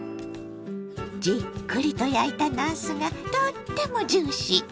じっくりと焼いたなすがとってもジューシー。